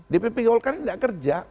dpp golkar ini tidak kerja